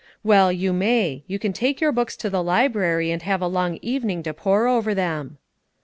"Well, you may; you can take your books to the library, and have a long evening to pore over them."